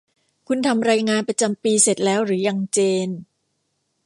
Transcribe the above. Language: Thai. คุณทำรายงานประจำปีเสร็จแล้วหรือยังเจน